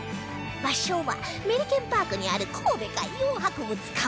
場所はメリケンパークにある神戸海洋博物館